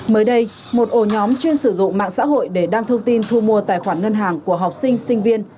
mới đây một ổ nhóm chuyên sử dụng mạng xã hội để đăng thông tin thu mua tài khoản ngân hàng của học sinh sinh viên